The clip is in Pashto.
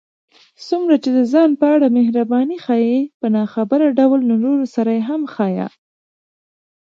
څومره چې د ځان په اړه محرباني ښيې، په ناخبره ډول له نورو سره هم